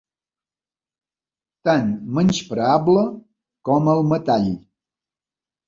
Tan menyspreable com el metall.